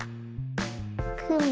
くも。